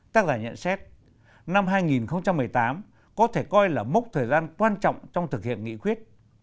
tác giả nhận xét năm hai nghìn một mươi tám có thể coi là mốc thời gian quan trọng trong thực hiện nghị quyết